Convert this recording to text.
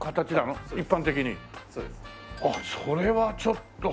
ああそれはちょっと。